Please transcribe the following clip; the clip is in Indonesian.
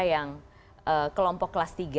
yang kelompok kelas tiga